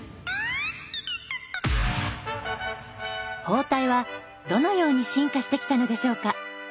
包帯はどのように進化してきたのでしょうか。